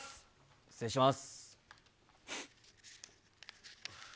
失礼します。